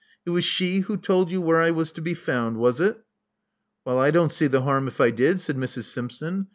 It was she who told you where I was to be found, was it?" '*Well, I don't see the harm if I did," said Mrs. Simpson.